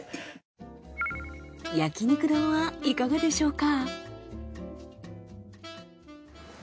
焼肉丼はいかがでしょうか？